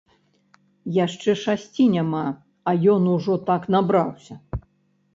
Яшчэ шасці няма, а ён ужо так набраўся.